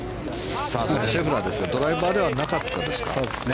シェフラー、ドライバーではなかったですか。